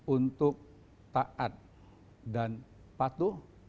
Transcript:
untuk taat dan patuh